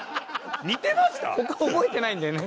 他覚えてないんだよね。